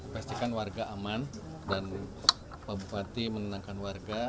pastikan warga aman dan pak bupati menenangkan warga